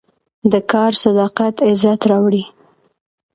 د کار صداقت عزت راوړي.